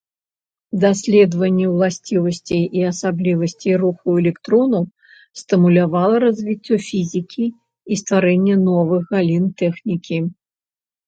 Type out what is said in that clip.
Даследаванні ўласцівасцей і асаблівасцей руху электронаў стымулявала развіццё фізікі і стварэнне новых галін тэхнікі.